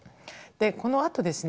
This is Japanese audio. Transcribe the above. このあとですね